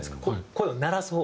声を鳴らす方。